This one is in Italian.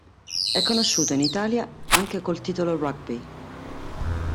È conosciuto in Italia anche col titolo Rugby.